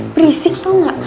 berisik tau gak